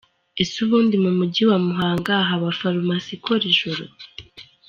Ese ubundi mu Mujyi wa Muhanga haba farumasi ikora ijoro ?.